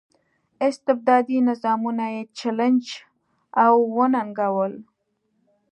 استبدادي نظامونه یې چلنج او وننګول.